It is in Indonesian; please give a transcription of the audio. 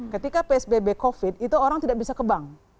ketika psbb covid itu orang tidak bisa ke bank